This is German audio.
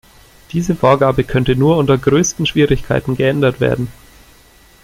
Diese Vorgabe könnte nur unter größten Schwierigkeiten geändert werden.